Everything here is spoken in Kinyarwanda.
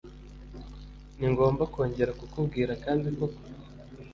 Ningomba kongera kukubwira kandi koko?